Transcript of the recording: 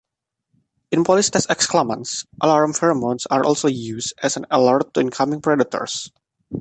In "Polistes exclamans", alarm pheromones are also used as an alert to incoming predators.